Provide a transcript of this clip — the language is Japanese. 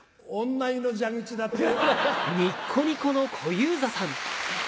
女湯の蛇口だよ。